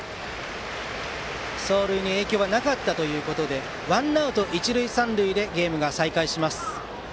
走塁に影響はなかったということでワンアウト、一塁三塁でゲーム再開です。